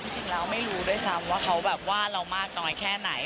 จริงแล้วไม่รู้ด้วยซ้ำว่าเขาแบบว่าเรามากน้อยแค่ไหน